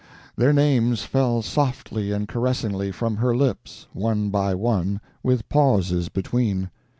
Their names fell softly and caressingly from her lips, one by one, with pauses between.